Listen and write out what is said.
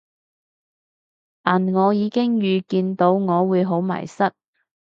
但我已經預見到我會好迷失